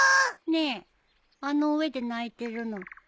ねえあの上で鳴いてるの誰？